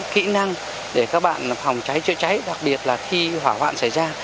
kỹ năng để các bạn phòng cháy chữa cháy đặc biệt là khi hỏa hoạn xảy ra